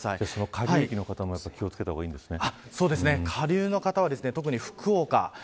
下流域の方も気を付けた方がいいですね。